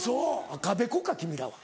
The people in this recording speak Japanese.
赤べこか君らは。